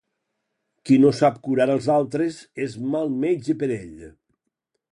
Qui no sap curar els altres és mal metge per ell.